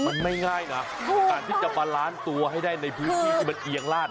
มันไม่ง่ายนะการที่จะมาล้านตัวให้ได้ในพื้นที่ที่มันเอียงลาด